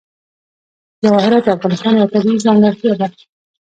جواهرات د افغانستان یوه طبیعي ځانګړتیا ده.